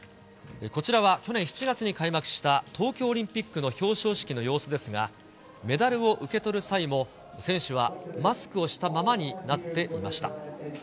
こちらは、去年７月に開幕した東京オリンピックの表彰式の様子ですが、メダルを受け取る際も、選手はマスクをしたままになっていました。